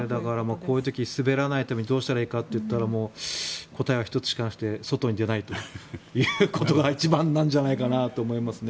こういう時滑らないためにどうしたらいいかというと答えは１つしかなくて外に出ないということが一番なんじゃないかなと思いますね。